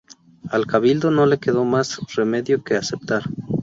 Al Cabildo no le quedó más remedio que aceptar.